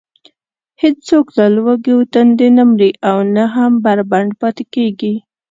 هېڅوک له لوږې و تندې نه مري او نه هم بربنډ پاتې کېږي.